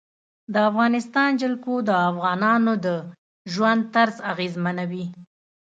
د افغانستان جلکو د افغانانو د ژوند طرز اغېزمنوي.